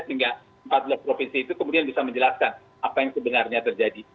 sehingga empat belas provinsi itu kemudian bisa menjelaskan apa yang sebenarnya terjadi